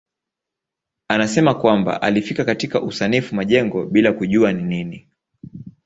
Anasema kwamba alifika katika usanifu majengo bila kujua ni nini.